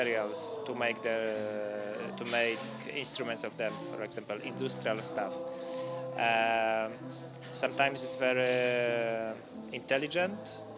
yang terkenal dengan